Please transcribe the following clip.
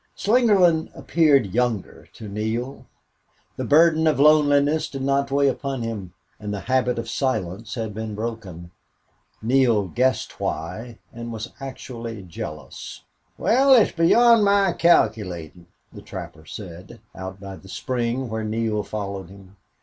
9 Slingerland appeared younger to Neale. The burden of loneliness did not weigh upon him, and the habit of silence had been broken. Neale guessed why, and was actually jealous. "Wal, it's beyond my calculatin'," the trapper said, out by the spring, where Neale followed him.